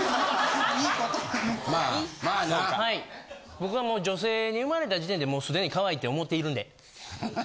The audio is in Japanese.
僕はもう女性に生まれた時点でもう既にかわいいって思っているんで。